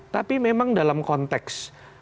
tapi memang dalam konteks